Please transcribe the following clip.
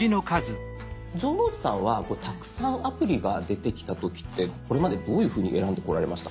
城之内さんはたくさんアプリが出てきた時ってこれまでどういうふうに選んでこられましたか？